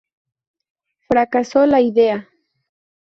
Fracasó la Idea.